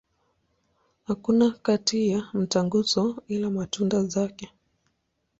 Hakuna hati za mtaguso, ila matunda yake.